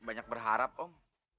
banyak berharap om